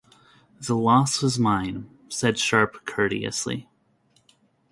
"The loss was mine," said Sharp courteously.